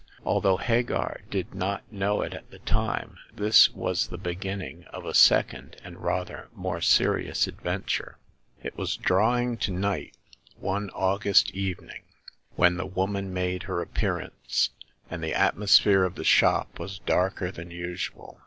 Although Hagar did not know it at the time, this was the beginning of a second and rather more serious adventure. It was drawing to night one Auga^t ^m^wnxnj^ 62 Hagar of the Pawn Shop. when the woman made her appearance, and the atmosphere of the shop was darker than usual.